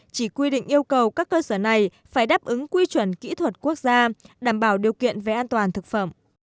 chỉ quy định yêu cầu các cơ sở này phải đáp ứng quy chuẩn kỹ thuật quốc gia đảm bảo điều kiện về an toàn thực phẩm